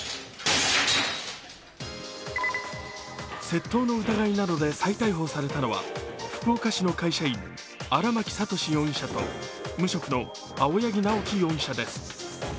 窃盗の疑いなどで再逮捕されのは、福岡市の会社員、荒巻悟志容疑者と無職の青柳直樹容疑者です。